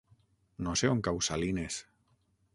No sé on cau Salines.